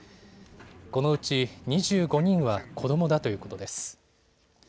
このうち２５人は子どもだということです。